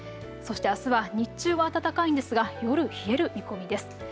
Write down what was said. そしてあすは日中は暖かいんですが夜、冷える見込みです。